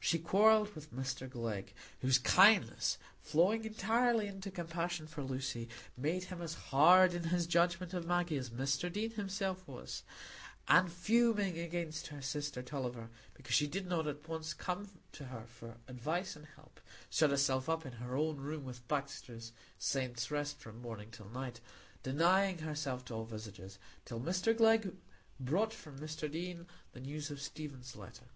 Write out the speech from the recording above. She quarrelled with Mr Glegg, whose kindness, flowing entirely into compassion for Lucy, made him as hard in his judgment of Maggie as Mr Deane himself was; and fuming against her sister Tulliver because she did not at once come to her for advice and help, shut herself up in her own room with Baxter's "Saints' Rest" from morning till night, denying herself to all visitors, till Mr Glegg brought from Mr Deane the news of Stephen's letter.